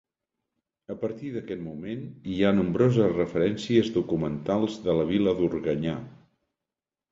A partir d'aquest moment hi ha nombroses referències documentals de la vila d'Organyà.